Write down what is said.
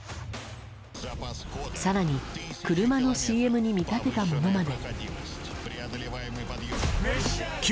更に車のＣＭに見立てたものまで。